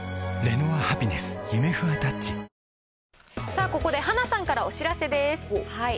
さあ、ここではなさんからお知らせです。